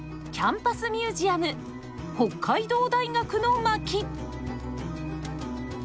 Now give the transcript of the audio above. キャンパス・ミュージアム北海道大学の巻」。